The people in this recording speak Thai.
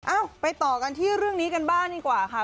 ไปต่อกันที่เรื่องนี้กันบ้างดีกว่าค่ะ